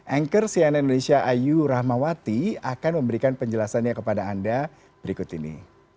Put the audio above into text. anchor cnn indonesia ayu rahmawati akan memberikan penjelasannya kepada anda berikut ini